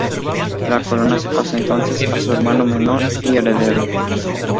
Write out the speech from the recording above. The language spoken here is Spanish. La corona se pasó entonces a su hermano menor y heredero.